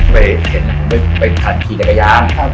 มันไม่เห็นไม่ทันขี่จักรยาน